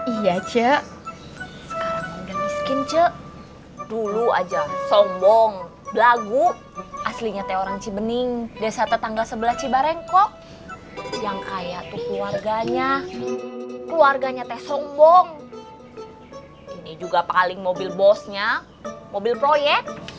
iya ce sekarang udah miskin ce dulu aja sombong lagu aslinya teh orang cibening desa tetangga sebelah cibarengko yang kaya tuh keluarganya keluarganya teh sombong ini juga paling mobil bosnya mobil pro ye